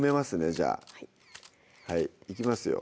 じゃあはいいきますよ